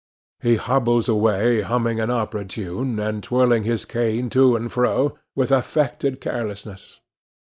He hobbles away humming an opera tune, and twirling his cane to and fro, with affected carelessness.